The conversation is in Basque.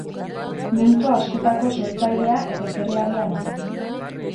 Mintzo askotako sortzailea eta ikerlaria da.